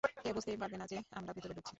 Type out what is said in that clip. কেউ বুঝতেই পারবে না যে আমরা ভেতরে ঢুকছি।